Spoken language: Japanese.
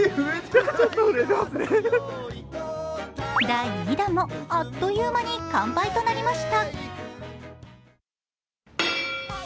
第２弾もあっという間に完売となりました。